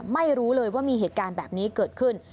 ไม่รู้เลยว่ามีเหตุการณ์แบบนี้เกิดขึ้น